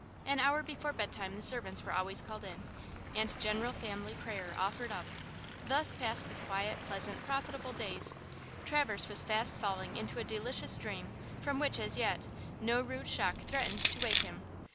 An hour before bedtime the servants were always called in, and general family prayer offered up. Thus passed the quiet, pleasant, profitable days. Traverse was fast falling into a delicious dream, from which, as yet, no rude shock threatened to wake him.